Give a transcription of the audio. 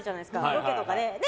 ロケとかで。